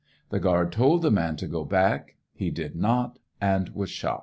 The guard told the man to go back ; he did not, and was shot."